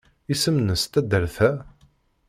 Isem-nnes taddart-a?